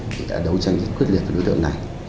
thì đã đấu tranh rất quyết liệt với đối tượng này